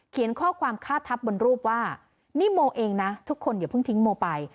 ข้อความฆ่าทับบนรูปว่านี่โมเองนะทุกคนอย่าเพิ่งทิ้งโมไป